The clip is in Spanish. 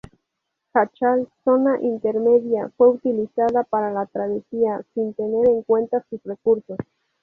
Jáchal, zona intermedia, fue utilizada para la travesía, sin tener en cuenta sus recursos.